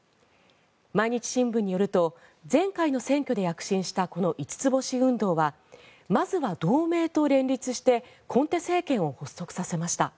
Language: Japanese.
毎日新聞によると前回の選挙で躍進したこの五つ星運動はまずは同盟と連立してコンテ政権を発足させました。